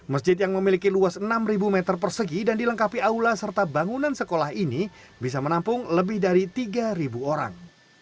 masjid yang memiliki luas enam meter persegi dan dilengkapi aula serta bangunan sekolah ini bisa menampung lebih dari tiga orang